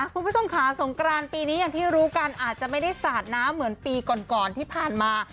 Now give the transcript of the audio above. คุณผู้ชมค่ะสงกรานปีนี้อย่างที่รู้กันอาจจะไม่ได้สาดน้ำเหมือนปีก่อนที่ผ่านมา